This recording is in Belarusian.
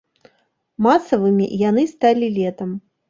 Масавымі яны сталі летам.